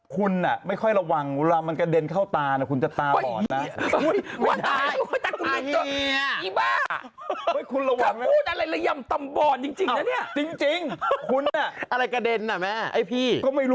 คุณอ่ะไม่ค่อยระวังนะครับ